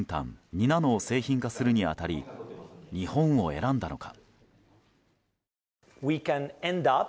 ２ナノを製品化するに当たり日本を選んだのか。